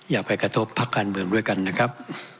อย่าไปกระทบพักการเมืองด้วยกันนะครับ